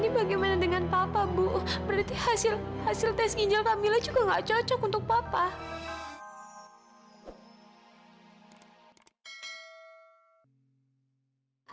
berarti hasil tes ginjal pak mila juga gak cocok untuk bapak